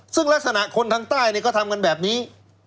ซึ่งลักษณะคนทางใต้ก็ทำกันแบบนี้